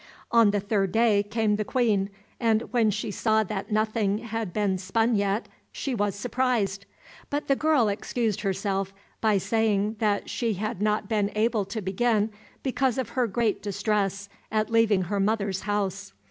On the third day came the Queen, and when she saw that nothing had been spun yet, she was surprised; but the girl excused herself by saying that she had not been able to begin because of her great distress at leaving her mother's house.